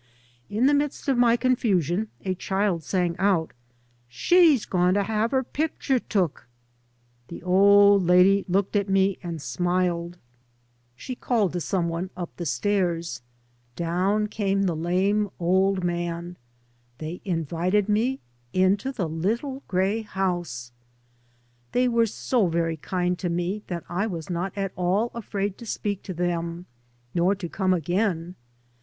In the midst of my confusion a child sang out: " She's going to have her picture took I " The old lady looked at me and smiled. She called to 3 by Google Mr MOTHER AND I some one up the stairs. Down came the lame old man. They invited me into the little grey house ! They were so very kind to me that I was not at all afraid to speak to them, nor to come again.